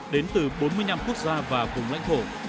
đến từ bốn mươi năm quốc gia và vùng lãnh thổ